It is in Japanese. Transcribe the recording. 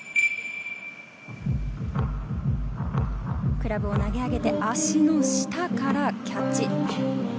クラブを投げ上げて足の下からキャッチ。